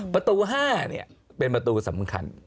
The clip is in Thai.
ประตู๕เป็นประตูสำคัญ